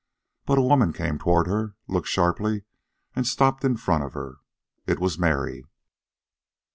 But a woman came toward her, looked sharply and stopped in front of her. It was Mary.